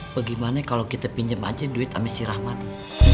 bagaimana kalo kita pinjam aja duit sama si rahmadi